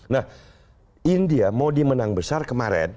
nah india modi menang besar kemarin